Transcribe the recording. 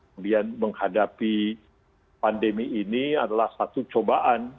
kemudian menghadapi pandemi ini adalah satu cobaan